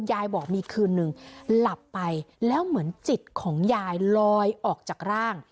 ยายบอกมีคืนนึงหลับไปแล้วเหมือนจิตของยายลอยออกจากร่าง